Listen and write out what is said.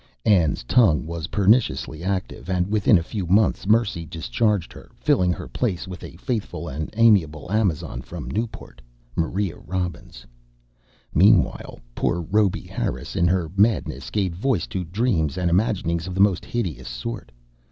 Ann's tongue was perniciously active, and within a few months Mercy discharged her, filling her place with a faithful and amiable Amazon from Newport, Maria Robbins. Meanwhile poor Rhoby Harris, in her madness, gave voice to dreams and imaginings of the most hideous sort.